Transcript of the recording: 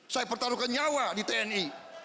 saya bertaruh ke nyawa di tni